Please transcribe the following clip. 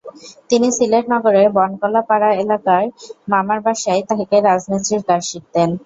তিনি সিলেট নগরের বনকলা পাড়া এলাকায় মামার বাসায় থেকে রাজমিস্ত্রির কাজ শিখতেন।